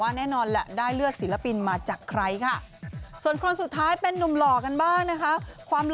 ว่าแน่นอนล่ะได้เลือดศิลปินมาจากใครค่ะ